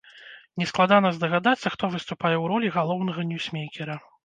Нескладана здагадацца, хто выступае ў ролі галоўнага ньюсмейкера.